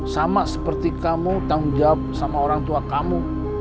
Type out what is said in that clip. sama seperti kamu tanggung jawab sama orang tua kamu